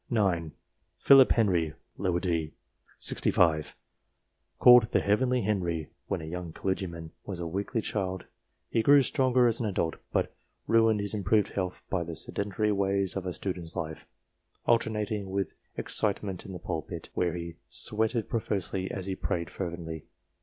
9. Philip Henry, d. set. 65, called the "heavenly Henry," when a young clergyman, was a weakly child ; he grew stronger as an adult, but ruined his improved health by the sedentary ways of a student's life, alternating with excitement in the pulpit, where " he sweated profusely as he prayed fervently."